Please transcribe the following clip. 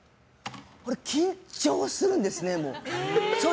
あれ、緊張するんですね。